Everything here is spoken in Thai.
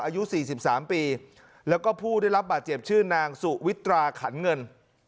อายุ๔๓ปีแล้วก็ผู้ได้รับบาดเจ็บชื่อนางสุวิตราขันเงิน